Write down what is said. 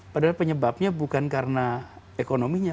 padahal penyebabnya bukan karena ekonominya